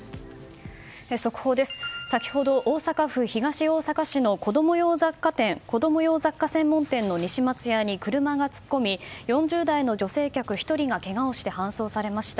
先ほど、大阪府東大阪市の子供用雑貨専門店の西松屋に車が突っ込み４０代の女性客１人がけがをして搬送されました。